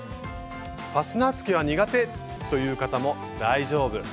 ファスナーつけは苦手！という方も大丈夫！